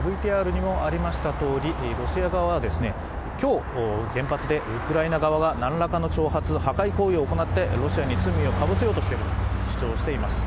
ＶＴＲにもありましたとおり、ロシア側は今日、原発でウクライナ側が何らかの挑発、破壊行為を行ってロシアに罪をかぶせようとしていると主張しています。